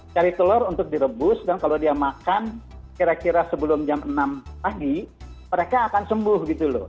cari telur untuk direbus dan kalau dia makan kira kira sebelum jam enam pagi mereka akan sembuh gitu loh